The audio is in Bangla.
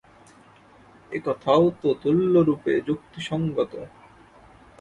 এ কথাও তো তুল্যরূপে যুক্তিসঙ্গত।